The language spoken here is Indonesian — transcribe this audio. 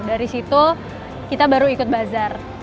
dari situ kita baru ikut bazar